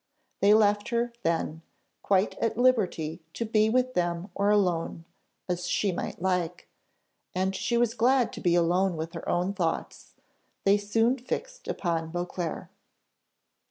They left her, then, quite at liberty to be with them or alone, as she might like, and she was glad to be alone with her own thoughts; they soon fixed upon Beauclerc.